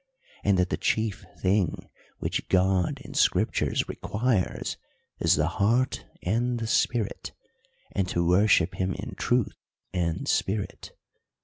75 and that the chief thing which God in scriptures re quires, is the heart and the spirit, and to worship him in truth and spirit.